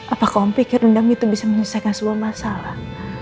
apakah om pikir dendam itu bisa menyelesaikan semua masalah